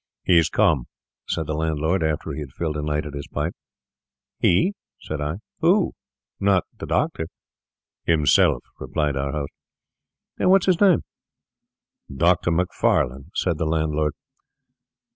'He's come,' said the landlord, after he had filled and lighted his pipe. 'He?' said I. 'Who?—not the doctor?' 'Himself,' replied our host. 'What is his name?' 'Doctor Macfarlane,' said the landlord.